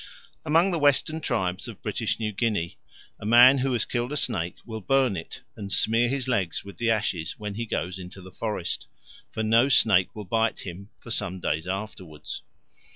Among the western tribes of British New Guinea, a man who has killed a snake will burn it and smear his legs with the ashes when he goes into the forest; for no snake will bite him for some days afterwards.